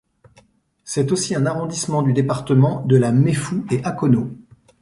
C'est aussi un arrondissement du département de la Méfou-et-Akono.